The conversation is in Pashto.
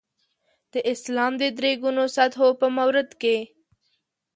د اسلام د درې ګونو سطحو په مورد کې.